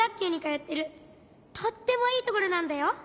とってもいいところなんだよ。